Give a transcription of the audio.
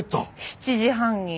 ７時半に？